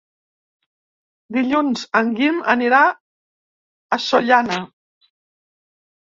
Dilluns en Guim anirà a Sollana.